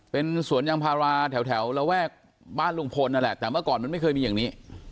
เป็นสวนยางพาราแถวระแวกบ้านลุงพลนั่นแหละแต่เมื่อก่อนมันไม่เคยมีอย่างนี้